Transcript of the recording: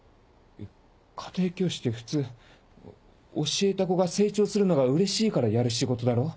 家庭教師って普通教えた子が成長するのがうれしいからやる仕事だろ？